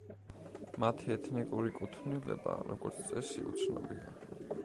მათი ეთნიკური კუთვნილება, როგორც წესი, უცნობია.